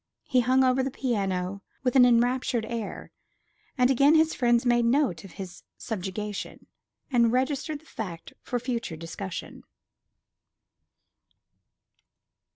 He hung over the piano with an enraptured air; and again his friends made note of his subjugation, and registered the fact for future discussion.